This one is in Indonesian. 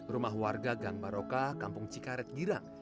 rumah warga gangbaroka kampung cikaret girang